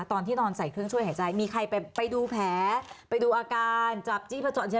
ตอนที่นอนใส่เครื่องช่วยหายใจมีใครไปดูแผลไปดูอาการจับจี้ผจญใช่ไหม